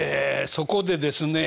そこでですね